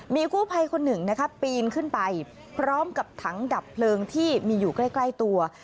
มีกู้ภัยคนหนึ่งนะคะปีนขึ้นไปพร้อมกับถังดับเพลิงที่มีอยู่ใกล้ตัว